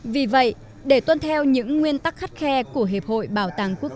vì vậy để tuân theo những nguyên tắc khắt khe của hiệp hội bảo tàng quốc